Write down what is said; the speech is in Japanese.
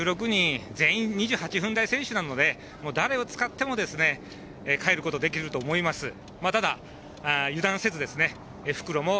１６人全員２８分台選手なので誰を使っても帰ることができると思います。